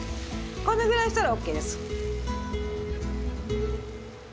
このぐらいしたらオッケーです。